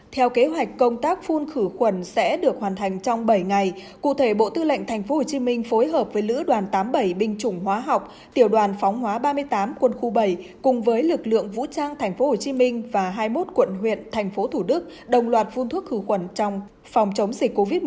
theo kế hoạch công tác phun khử khuẩn sẽ được hoàn thành trong bảy ngày cụ thể bộ tư lệnh tp hcm phối hợp với lữ đoàn tám mươi bảy binh chủng hóa học tiểu đoàn phóng hóa ba mươi tám quân khu bảy cùng với lực lượng vũ trang tp hcm và hai mươi một quận huyện thành phố thủ đức đồng loạt phun thuốc khử khuẩn trong phòng chống dịch covid một mươi chín